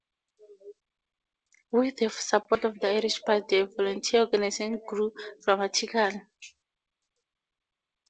With the support of the Irish Party the Volunteer organisation grew dramatically.